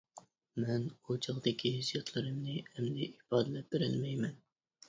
مەن ئۇ چاغدىكى ھېسسىياتلىرىمنى ئەمدى ئىپادىلەپ بېرەلمەيمەن.